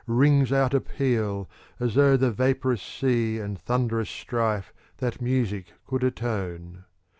Rings out a peal, as though the vaporous sea And thunderous strife that music could atone.